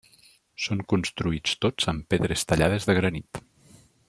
Són construïts tots amb pedres tallades de granit.